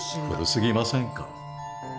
古すぎませんか？